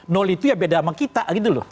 nol itu ya beda sama kita gitu loh